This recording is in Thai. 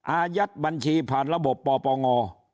อายัดบัญชีผ่านระบบปปง